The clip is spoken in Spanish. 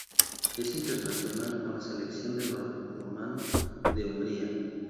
Es internacional con la selección de balonmano de Hungría.